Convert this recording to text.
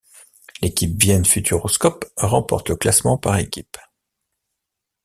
L’équipe Vienne Futuroscope remporte le classement par équipes.